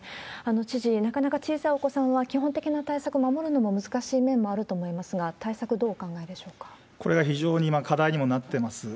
知事、なかなか小さいお子さんは基本的な対策、守るのも難しい面もあると思いますが、これは非常に今、課題にもなってます。